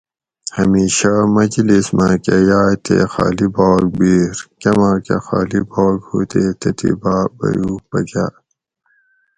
ھمیشہ مجلس ماکہ یائے تے خالی باگ بِیر کماکہ خالی باگ ہُو تے تتھی با بیوگ پکاۤر